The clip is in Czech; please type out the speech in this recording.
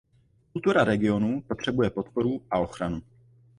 Kultura regionů potřebuje podporu a ochranu.